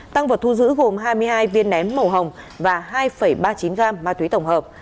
tăng vật thu giữ gồm hai mươi hai viên nén màu hồng và hai ba mươi chín gam ma túy tổng hợp